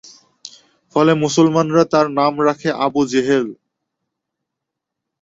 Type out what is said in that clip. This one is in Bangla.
ফলে মুসলমানরা তার নাম রাখে আবু জেহেল।